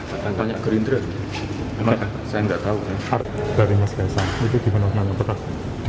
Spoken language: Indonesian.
akan banyak green filtered hai enggak katanya gatau akan berima cinta itu bagaimanapun anada